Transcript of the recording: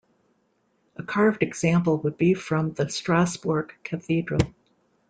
A carved example would be from the Strasbourg Cathedral.